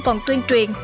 còn tuyên truyền